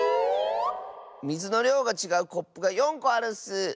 みずのりょうがちがうコップが４こあるッス。